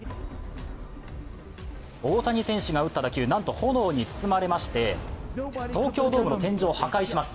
大谷選手が打った打球、なんと炎に包まれまして、東京ドームの天井を破壊します。